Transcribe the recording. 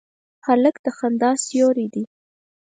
هلک د خندا سیوری دی.